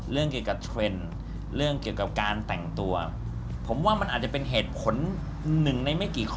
เรื่องเกี่ยวกับเทรนด์เรื่องเกี่ยวกับการแต่งตัวผมว่ามันอาจจะเป็นเหตุผลหนึ่งในไม่กี่ข้อ